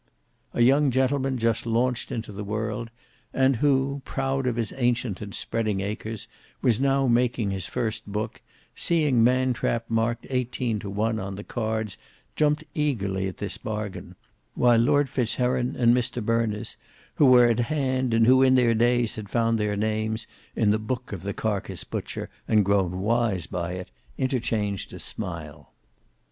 A young gentleman just launched into the world, and who, proud of his ancient and spreading acres, was now making his first book, seeing Man trap marked eighteen to one on the cards, jumped eagerly at this bargain, while Lord Fitzheron and Mr Berners who were at hand and who in their days had found their names in the book of the carcase butcher, and grown wise by it, interchanged a smile.